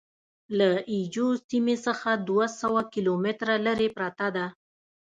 له اي جو سیمې څخه دوه سوه کیلومتره لرې پرته ده.